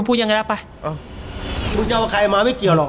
มึงว่าใครมาไม่เกี่ยวหลอก